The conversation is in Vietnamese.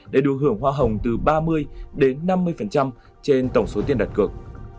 để được hưởng hoa hồng từ ba mươi đến năm mươi trên tổng số tiền đặt cược